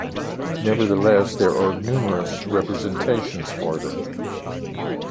Nevertheless, there are numeorous representations for them.